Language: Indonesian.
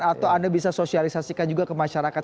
atau anda bisa sosialisasikan juga ke masyarakat